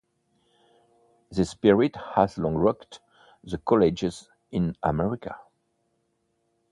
This spirit has long rocked the colleges in America.